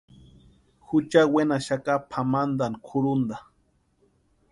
Jucha wenaxaka pʼamantani kʼurhuntani.